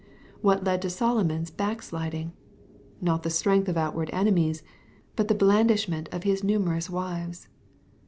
fWhat led to Solomon's back sliding ? Not the strength of outward enemies, but the blandishment of his numerous wives.